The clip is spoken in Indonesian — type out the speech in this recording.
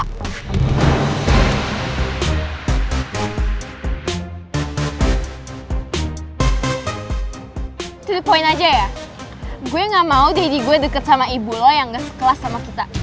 itu point aja ya gue gak mau gaji gue deket sama ibu lo yang gak sekelas sama kita